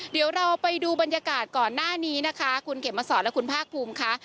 เดี๋ยวเราไปดูบรรยากาศก่อนหน้านี้นะคะคุณเข็มมาสอนและคุณภาคภูมิค่ะ